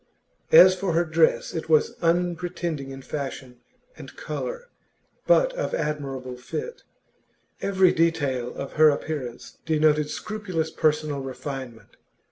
As for her dress, it was unpretending in fashion and colour, but of admirable fit. Every detail of her appearance denoted scrupulous personal refinement.